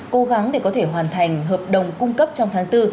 cố gắng để có thể hoàn thành hợp đồng cung cấp trong tháng bốn